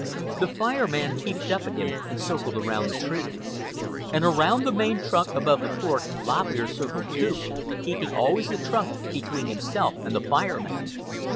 The Fire Man peered up at him and circled around the tree. And around the main trunk above the fork Lop Ear circled too, keeping always the trunk between himself and the Fire Man.